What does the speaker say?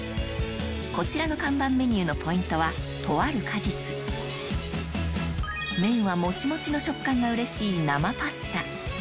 こちらの看板メニューのポイントはとある果実麺はもちもちの食感がうれしい生パスタ